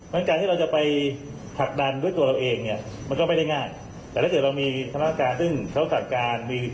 ดูฝุดบาดทางเท้ามอเตยรับจ้างรถไฟฟ้ารถเม